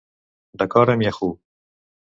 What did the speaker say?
D'acord amb Yahoo!